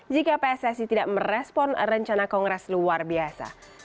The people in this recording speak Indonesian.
jika pssi tidak merespon rencana kongres luar biasa